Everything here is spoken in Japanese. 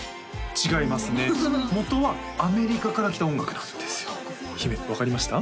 違いますね元はアメリカから来た音楽なんですよ姫分かりました？